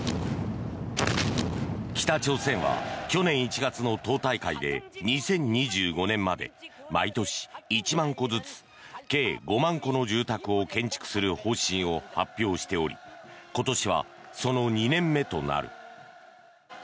北朝鮮は去年１月の党大会で２０２５年まで毎年１万戸ずつ計５万戸の住宅を建築する方針を発表しており今年はその２年目となる。